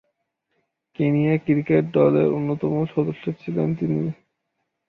Kenya cricket দলের অন্যতম সদস্য ছিলেন তিনি।